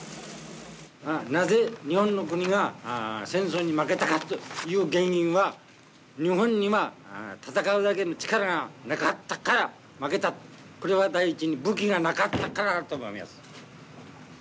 なぜ日本の国が戦争に負けたかという原因は日本には戦うだけの力がなかったから負けたとこれは第一に武器がなかったからだと思います